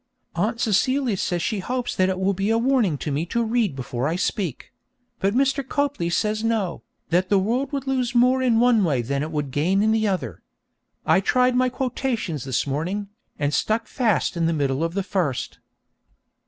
Aunt Celia says she hopes that it will be a warning to me to read before I speak; but Mr. Copley says no, that the world would lose more in one way than it would gain in the other. I tried my quotations this morning, and stuck fast in the middle of the first.